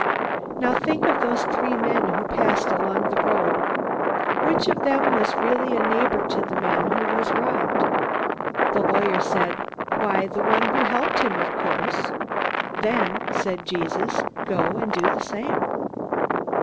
"Now, think of those three men who passed along the road. Which of them was a real neighbor to the man who was robbed?" The lawyer said, "Why, the one who helped him, of course." "Then," said Jesus, "go and do the same."